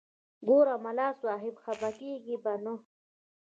ګوره ملا صاحب خپه کېږې به نه.